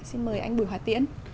xin mời anh bùi hòa tiễn